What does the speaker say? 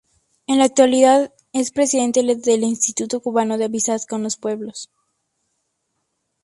En la actualidad, es presidente del Instituto Cubano de Amistad con los Pueblos.